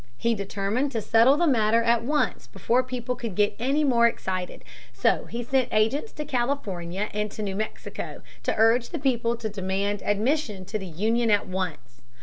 He determined to settle the matter at once before people could get any more excited. So he sent agents to California and to New Mexico to urge the people to demand admission to the Union at once.